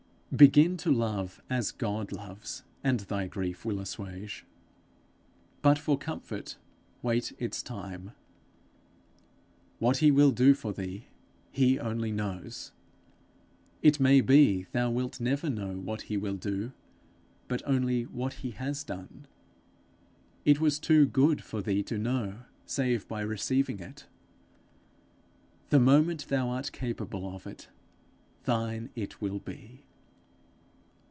Begin to love as God loves, and thy grief will assuage; but for comfort wait his time. What he will do for thee, he only knows. It may be thou wilt never know what he will do, but only what he has done: it was too good for thee to know save by receiving it. The moment thou art capable of it, thine it will be.